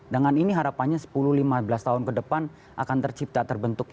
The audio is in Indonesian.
dengan ini harapannya sepuluh lima belas tahun ke depan akan tercipta terbentuk